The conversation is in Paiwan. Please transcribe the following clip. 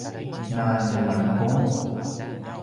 na tjemalupung?